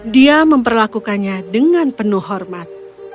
dia memperlakukannya dengan penuh hormat